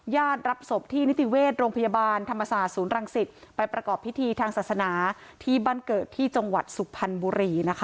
รับศพที่นิติเวชโรงพยาบาลธรรมศาสตร์ศูนย์รังสิตไปประกอบพิธีทางศาสนาที่บ้านเกิดที่จังหวัดสุพรรณบุรีนะคะ